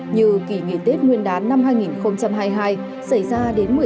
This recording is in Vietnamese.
như kỳ nghỉ tết nguyên đán năm hai nghìn hai mươi hai xảy ra đến một mươi sáu vụ